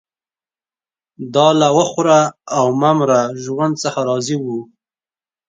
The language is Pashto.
دا له وخوره او مه مره ژوند څخه راضي وو